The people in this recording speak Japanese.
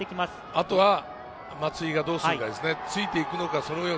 あとは松井がどうするかですおっと？